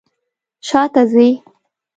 شاته ځئ